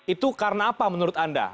itu karena apa menurut anda